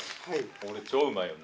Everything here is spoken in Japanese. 俺超うまいよな。